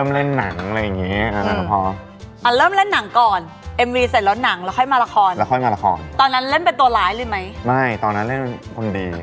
ไม่ตอนนั้นเล่นคนดี